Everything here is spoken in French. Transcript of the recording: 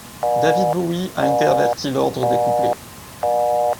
David Bowie a interverti l'ordre des couplets.